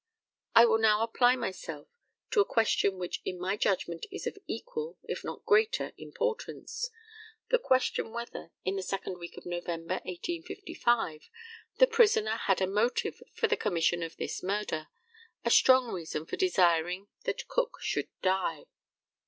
I will now apply myself to a question which in my judgment is of equal, if not greater, importance the question whether, in the second week of November, 1855, the prisoner had a motive for the commission of this murder a strong reason for desiring that Cook should die.